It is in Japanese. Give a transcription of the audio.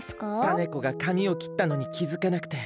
タネ子がかみをきったのにきづかなくて。